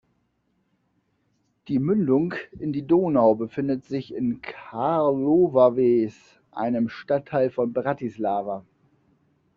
Die Mündung in die Donau befindet sich in Karlova Ves, einem Stadtteil von Bratislava.